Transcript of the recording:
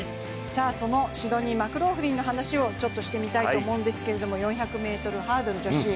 シドニー・マクローフリンの話をしてみたいと思うんですが４００ｍハードル女子。